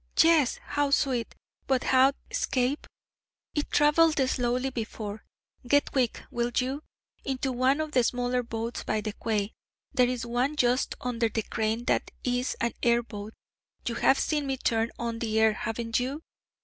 'Yes! how sweet! But how escape?' 'It travelled slowly before. Get quick will you? into one of the smaller boats by the quay there is one just under the crane that is an air boat you have seen me turn on the air, haven't you?